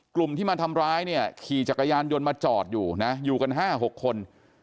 กลุ่มที่มาทำร้ายเนี่ยขี่จักรยานยนต์มาจอดอยู่นะอยู่กัน๕๖คน